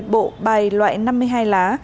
một mươi bộ bài loại năm mươi hai lá